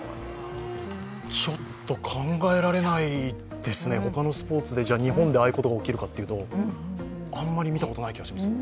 ちょっと考えられないですね、他のスポーツで日本でああいうことが起きるかというと、あまり見たことない気がします。